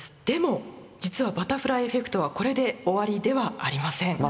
でも実は「バタフライエフェクト」はこれで終わりではありません。